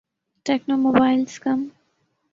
techno mobiles come